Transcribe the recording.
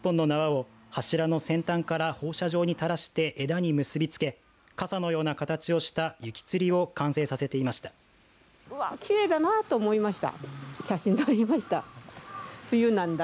そして、およそ２０本の縄を柱の先端から放射状に垂らして枝に結びつけ傘のような形をした雪吊りを完成させていました。